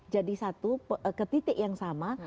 jadi satu ke titik yang sama